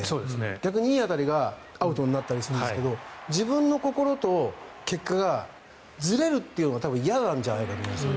逆にいい当たりがアウトになったりするんですが自分の心と結果がずれるというのが、多分嫌なんじゃないかと思うんです。